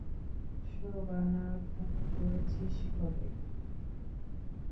শোবানার প্রেমে পড়েছিস কবে?